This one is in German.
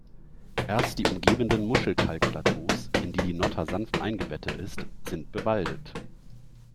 Erst die umgebenden Muschelkalk-Plateaus, in die die Notter sanft eingebettet ist, sind bewaldet.